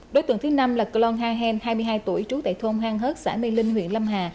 đối tượng thứ năm là cologne ha heng hai mươi hai tuổi trú tại thôn hàng hớt xã mê linh huyện lâm hà